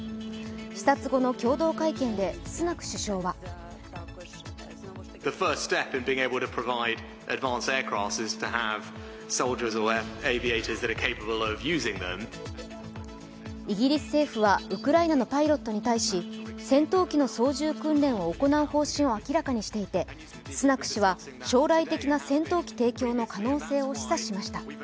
視察後の共同会見でスナク首相はイギリス政府はウクライナのパイロットに対し戦闘機の操縦訓練を行う方針を明らかにしていて、スナク氏は将来的な戦闘機提供の可能性を示唆しました。